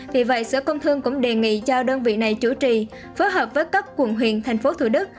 vì vậy sở công thương cũng đề nghị cho đơn vị này chủ trì phối hợp với các quận huyện thành phố thủ đức